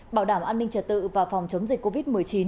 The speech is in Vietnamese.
bảo đảm an ninh trật tự và phòng chống dịch covid một mươi chín